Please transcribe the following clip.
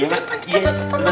udah pak cepet cepetan